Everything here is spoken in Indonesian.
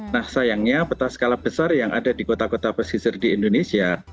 nah sayangnya peta skala besar yang ada di kota kota pesisir di indonesia